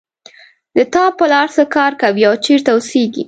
د تا پلار څه کار کوي او چېرته اوسیږي